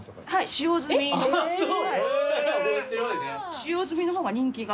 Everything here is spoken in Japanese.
使用済みの方が人気が。